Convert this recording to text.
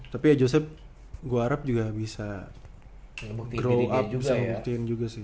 tapi ya joseph gue harap juga bisa grow up bisa ngebuktiin juga sih